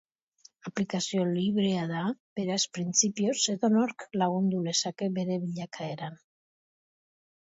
Aplikazio librea da, beraz printzipioz edonork lagundu lezake bere bilakaeran.